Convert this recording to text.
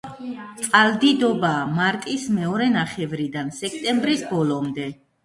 წყალდიდობაა მარტის მეორე ნახევრიდან სექტემბრის ბოლომდე.